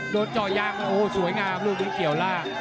โดดจ่อยางโอ้โหสวยงามรุ่งที่เกี่ยวล่าง